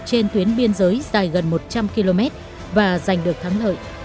trên tuyến biên giới dài gần một trăm linh km và giành được thắng lợi